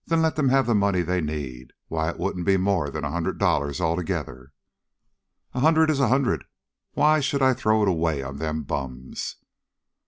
"Then let them have the money they need. Why, it wouldn't be more than a hundred dollars altogether." "A hundred is a hundred. Why should I throw it away on them bums?"